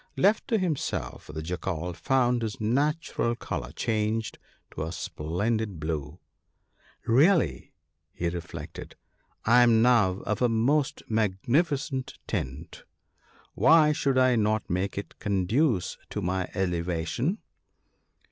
Left to himself, the Jackal found his natural colour changed to a splendid blue. ' Really,' he reflected, * I am now 7 of a most magnificent tint ; why should I not make it conduce to my elevation